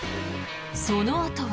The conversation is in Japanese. そのあとは。